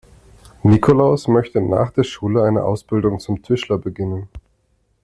Nikolaus möchte nach der Schule eine Ausbildung zum Tischler beginnen.